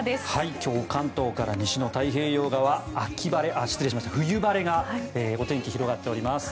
今日関東から西の太平洋側冬晴れがお天気、広がっております。